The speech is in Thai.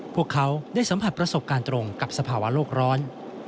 พวกเขาได้สัมผัสประสบการณ์ตรงกับสภาวะโลกร้อน